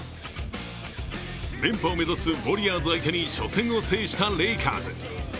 連覇を目指すウォリアーズに初戦を制したレイカーズ。